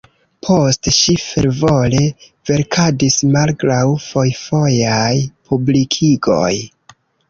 Poste ŝi fervore verkadis malgraŭ fojfojaj publikigoj.